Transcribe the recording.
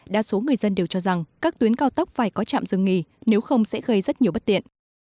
đa số người dân đều cho rằng các tuyến cao tốc phải có trạm dừng nghỉ nếu không sẽ gây rất nhiều bất tiện